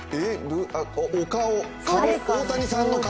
お顔、大谷さんの顔？